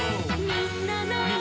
「みんなの」